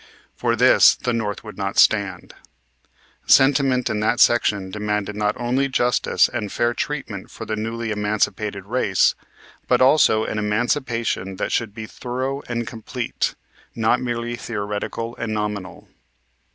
For this the North would not stand. Sentiment in that section demanded not only justice and fair treatment for the newly emancipated race but also an emancipation that should be thorough and complete, not merely theoretical and nominal.